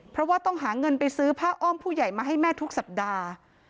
เพราะว่าต้องหาเงินไปซื้อผ้าอ้อมผู้ใหญ่มาให้แม่ทุกสัปดาห์